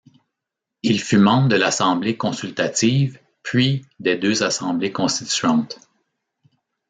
Il fut membre de l'Assemblée consultative puis des deux assemblées constituantes.